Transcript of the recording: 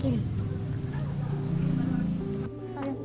hai belum lagi masuk